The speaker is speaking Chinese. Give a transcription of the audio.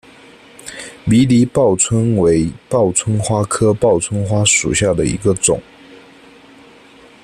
迷离报春为报春花科报春花属下的一个种。